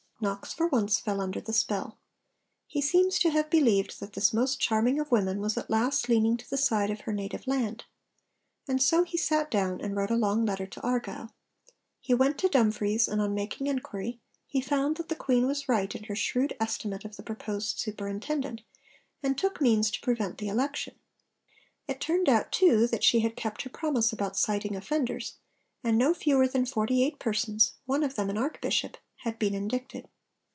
Knox for once fell under the spell. He seems to have believed that this most charming of women was at last leaning to the side of her native land. And so he sat down and wrote a long letter to Argyll. He went to Dumfries, and on making enquiry, he found that the Queen was right in her shrewd estimate of the proposed superintendent, and took means to prevent the election. It turned out, too, that she had kept her promise about citing offenders, and no fewer than forty eight persons, one of them an Archbishop, had been indicted.